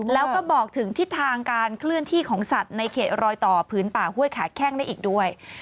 แล้วก็บอกถึงทิศทางการเคลื่อนที่ของสัตว์ในเขตรอยต่อพื้นป่าห้วยขาแข้งได้อีกด้วย